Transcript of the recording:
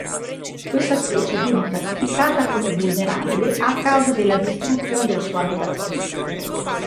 Questa specie viene classificata come vulnerabile a causa della distruzione del suo habitat costiero.